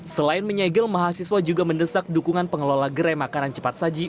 selain menyegel mahasiswa juga mendesak dukungan pengelola gere makanan cepat saji